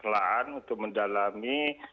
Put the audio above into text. nelahan untuk mendalami